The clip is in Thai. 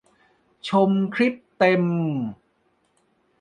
ชมคลิปเต็ม